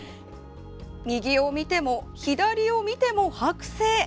右を見ても左を見ても、剥製。